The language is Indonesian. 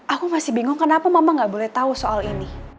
aku masih bingung kenapa mama gak boleh tahu soal ini